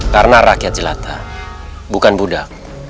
karena rakyat jelata bukan budak